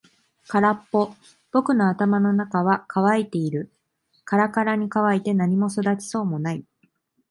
空っぽ。僕の頭の中は乾いている。からからに乾いて何も育ちそうもない。